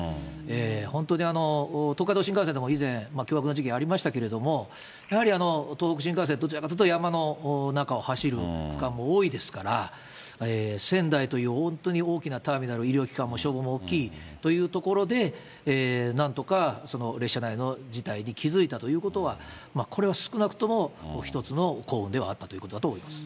本当に東海道新幹線でも以前、凶悪な事件ありましたけれども、やはり東北新幹線、どちらかというと山の中を走る区間が多いですから、仙台という本当に大きなターミナル、医療機関も消防も大きいというところでなんとか列車内の事態に気付いたということは、これは少なくとも一つの幸運ではあったということだと思います。